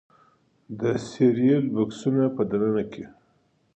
د سیریل بکسونو په دننه کې